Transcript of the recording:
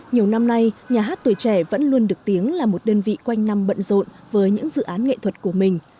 nhiều năm nay nhà hát tuổi trẻ vẫn luôn được tiếng là một đơn vị quanh năm bận rộn với những dự án nghệ thuật của mình